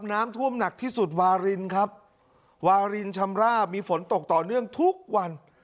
น้ำท่วมหนักที่สุดวารินครับวารินชำราบมีฝนตกต่อเนื่องทุกวัน